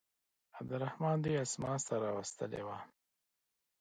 عبدالرحمن دوی اسماس ته راوستلي وه.